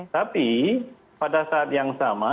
tapi pada saat yang sama